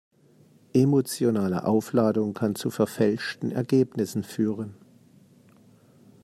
Emotionale Aufladung kann zu verfälschten Ergebnissen führen.